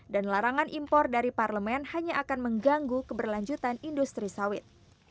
dan larangan impor dari parlemen hanya akan mengganggu keberlanjutan industri sawit